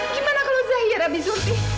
gimana kalau zaira bi surti